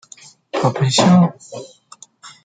怕被笑？